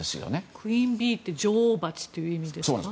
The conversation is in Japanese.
クイーン・ビーって女王バチという意味ですか？